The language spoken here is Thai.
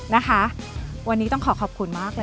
นะคะวันนี้ต้องขอขอบคุณมากเลย